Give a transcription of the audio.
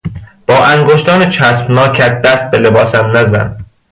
با انگشتان چسبناکت دست به لباسم نزن!